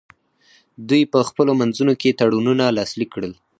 دوی په خپلو منځونو کې تړونونه لاسلیک کړل